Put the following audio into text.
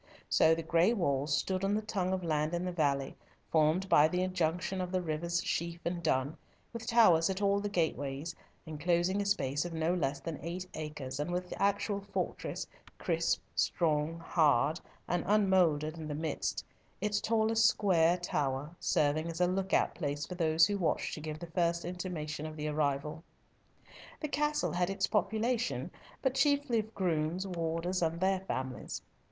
So the gray walls stood on the tongue of land in the valley, formed by the junction of the rivers Sheaf and Dun, with towers at all the gateways, enclosing a space of no less than eight acres, and with the actual fortress, crisp, strong, hard, and unmouldered in the midst, its tallest square tower serving as a look out place for those who watched to give the first intimation of the arrival. The castle had its population, but chiefly of grooms, warders, and their families.